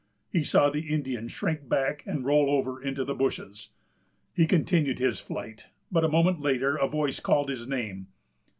He saw the Indian shrink back and roll over into the bushes. He continued his flight; but a moment after, a voice called his name.